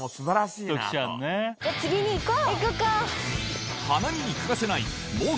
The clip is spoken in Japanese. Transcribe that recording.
次に行こう！